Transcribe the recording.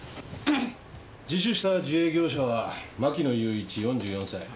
自首した自営業者は牧野裕一４４歳。